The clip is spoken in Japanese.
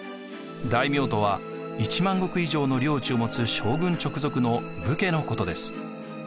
大名とは１万石以上の領知を持つ将軍直属の武家のことです。